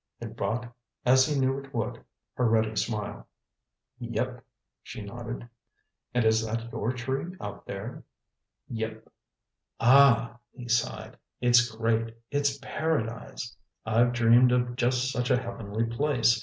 It brought, as he knew it would, her ready smile. "Yep," she nodded. "And is that your tree out there?" "Yep." "Ah!" he sighed. "It's great! It's Paradise. I've dreamed of just such a heavenly place.